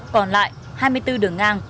còn lại hai mươi bốn đường ngang